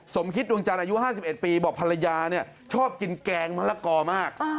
สมคิดดวงจันทร์อายุ๕๑ปีบอกภรรยาชอบกินแกงมะละกอมาก